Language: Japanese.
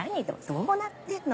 どうなってんの？